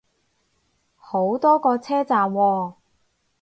好多個車站喎